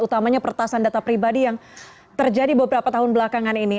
utamanya pertasan data pribadi yang terjadi beberapa tahun belakangan ini